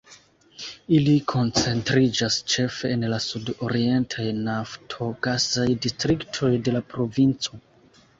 Ili koncentriĝas ĉefe en la sud-orientaj naftogasaj distriktoj de la provinco.